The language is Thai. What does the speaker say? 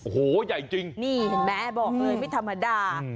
โอ้โหใหญ่จริงนี่เห็นไหมบอกเลยไม่ธรรมดา